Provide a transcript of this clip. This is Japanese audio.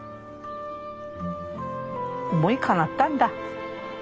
思いかなったんだ。